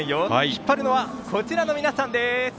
引っ張るのはこちらの皆さんです。